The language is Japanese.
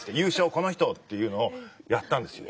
この人っていうのをやったんですよ。